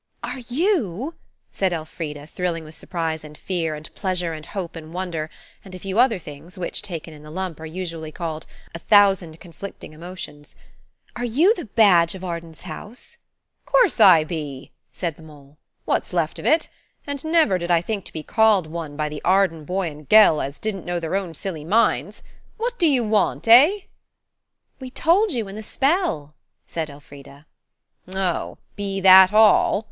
"Are you," said Elfrida, thrilling with surprise and fear, and pleasure and hope, and wonder, and a few other things which, taken in the lump, are usually called "a thousand conflicting emotions,"–"are you the 'badge of Arden's house'?" "Course I be," said the mole,–"what's left of it; and never did I think to be called one by the Arden boy and gell as didn't know their own silly minds. What do you want, eh?" "We told you in the spell," said Elfrida. "Oh, be that all?"